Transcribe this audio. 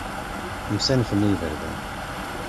Msanfen i iberdan.